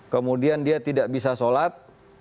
kemudian dia tidak bisa sholat